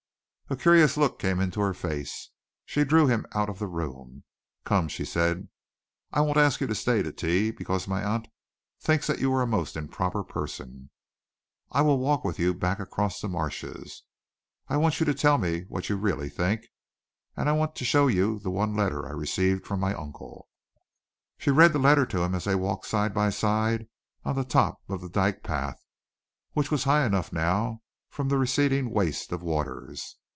A curious look came into her face. She drew him out of the room. "Come," she said, "I won't ask you to stay to tea, because my aunt thinks that you are a most improper person. I'll walk with you back across the marshes. I want you to tell me what you really think, and I want to show you the one letter I received from my uncle...." She read the letter to him as they walked side by side on the top of the dyke path, which was high enough now from the receding waste of waters.